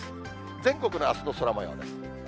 全国のあすの空もようです。